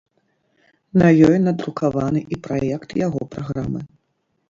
На ёй надрукаваны і праект яго праграмы.